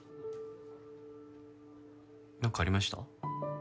なんかありました？